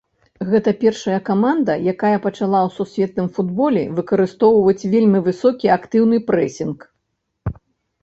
Гэта першая каманда, якая пачала ў сусветным футболе выкарыстоўваць вельмі высокі актыўны прэсінг.